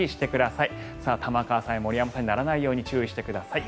さあ、玉川さんや森山さんにならないように注意してください。